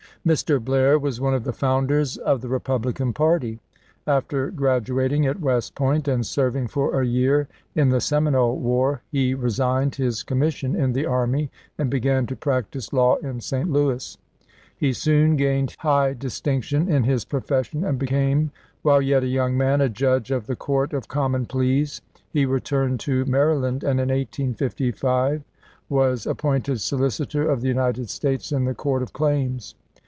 Mr. Blair was one of the founders of the Repub lican party. After graduating at West Point and serving for a year in the Seminole war, he resigned his commission in the army and began to practice law in St. Louis. He soon gained high distinc tion in his profession, and became, while yet a young man, a judge of the Court of Common Pleas. He returned to Maryland, and in 1855 was appointed solicitor of the United States in the Court of Claims.